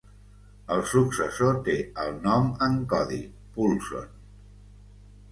El successor té el nom en codi "Poulson".